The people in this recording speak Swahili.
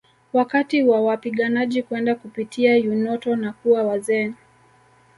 Wakati wa wapiganaji kwenda kupitia Eunoto na kuwa wazee